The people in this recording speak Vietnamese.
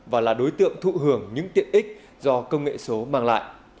và là đối tượng thụ hưởng những tiện ích do công nghệ số mang lại